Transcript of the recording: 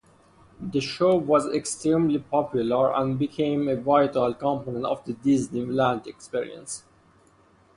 The show was extremely popular, and became a vital component of the Disneyland experience.